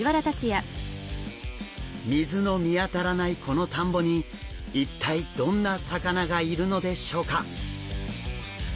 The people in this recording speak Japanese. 水の見当たらないこの田んぼに一体どんな魚がいるのでしょうか？